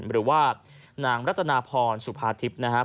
หรือว่านางรัตนาพรสุภาทิพย์นะครับ